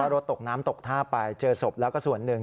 รถตกน้ำตกท่าไปเจอศพแล้วก็ส่วนหนึ่ง